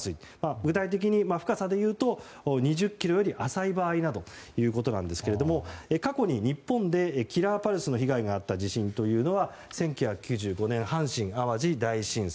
具体的に深さでいうと２０ｋｍより浅い場合などだということですが過去に日本でキラーパルスの被害があった地震というのは１９９５年、阪神・淡路大震災